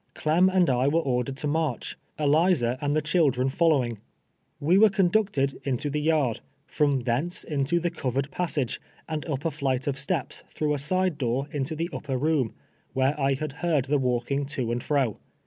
Clem and I were ordered to march, Eliza and the children fol lowing. IVe were conducted into the yard, from thence into the covered passage, and up a flight of steps through a side door into the upper room, where I had heard the walking to and fro.